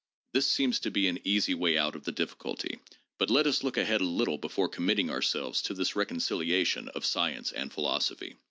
This seems to be an easy way out of the difficulty, but let us look ahead a little before committing ourselves to this recon ciliation of science and philosophy.